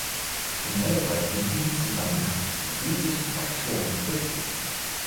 Generell sollten wir in diesem Zusammenhang die ethischen Faktoren berücksichtigen.